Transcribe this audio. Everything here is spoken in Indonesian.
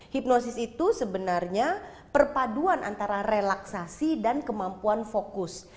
hipnosis itu sebenarnya perpaduan antara relaksasi dan kemampuan fokus